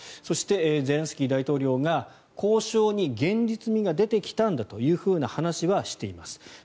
そして、ゼレンスキー大統領が交渉に現実味が出てきたんだという話はしています。